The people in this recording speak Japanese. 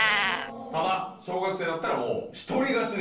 ただ小学生だったらもう１人勝ちで。